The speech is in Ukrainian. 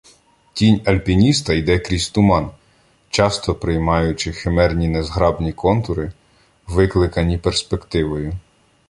Тінь альпініста йде крізь туман, часто приймаючи химерні незграбні контури, викликані перспективою.